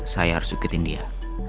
saya harus bikin dia